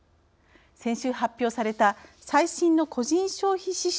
先週発表された最新の個人消費支出